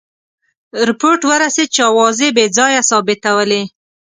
رپوټ ورسېد چې آوازې بې ځایه ثابتولې.